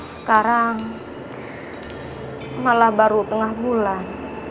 sekarang malah baru tengah bulan